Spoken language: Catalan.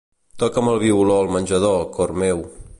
Toca'm el violó al menjador, cor meu.